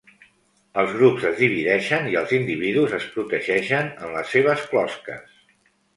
Els grups es divideixen i els individus es protegeixen en les seves closques.